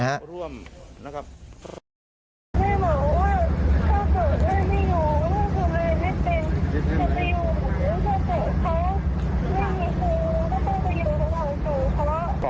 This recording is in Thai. แม่บอกว่า